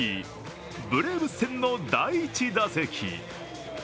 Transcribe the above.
ブレーブス戦の第１打席。